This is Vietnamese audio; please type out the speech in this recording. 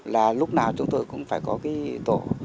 là lúc nào chúng tôi cũng phải có cái tổ